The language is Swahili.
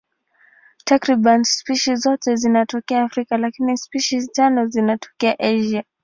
Takriban spishi zote zinatokea Afrika, lakini spishi tano zinatokea Asia.